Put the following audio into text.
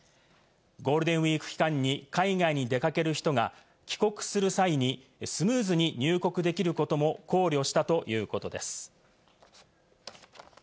ゴールデンウイーク期間に海外に出かける人が帰国する際にスムーズに入国できることも考慮したということです。